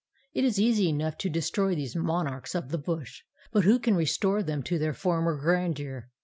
It is easy enough to destroy these monarchs of the bush, but who can restore them to their former grandeur?